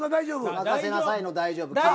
任せなさいの「大丈夫」。